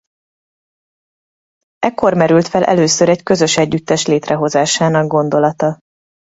Ekkor merült fel először egy közös együttes létrehozásának gondolata.